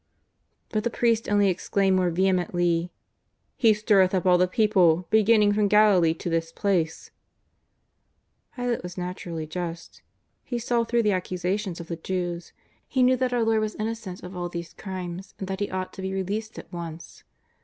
But the priests only exclaimed more vehemently: " He stirreth up all the people, beginning from Galilee to this place." Pilate was naturally just. He saw through the ac cusations of the Jews. He knew that our Lord was innocent of all these crimes, and that He ought to be released at once.